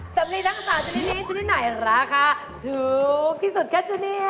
สับลีทั้ง๓ชนิดนี้ชนิดไหนราคาถูกที่สุดคะจูเนียร์